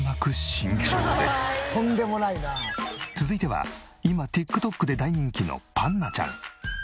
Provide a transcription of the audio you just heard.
続いては今ＴｉｋＴｏｋで大人気のパンナちゃん。